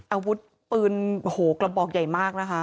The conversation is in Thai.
อาวุธปืนโอ้โหกระบอกใหญ่มากนะคะ